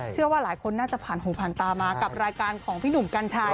เชื่อว่าหลายคนน่าจะผ่านหูผ่านตามากับรายการของพี่หนุ่มกัญชัย